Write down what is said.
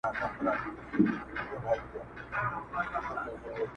• پوهېده په ښو او بدو عاقلان سوه,